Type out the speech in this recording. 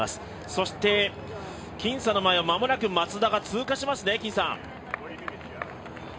そして金さんの前を間もなく松田が通過しますね。